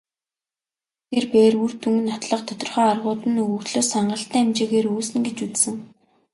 Тэр бээр үр дүнг нотлох тодорхой аргууд нь өгөгдлөөс хангалттай хэмжээгээр үүснэ гэж үзсэн.